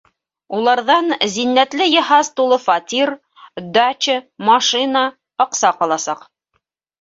Уларҙан зиннәтле йыһаз тулы фатир, дача, машина, аҡса ҡаласаҡ.